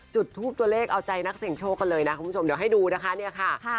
จุดทูปตัวเลขเอาใจนักเสียงโชคกันเลยนะคุณผู้ชมเดี๋ยวให้ดูนะคะเนี่ยค่ะ